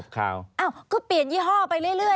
ข่าวก็เปลี่ยนยี่ห้อไปเรื่อย